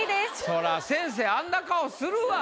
そら先生あんな顔するわ。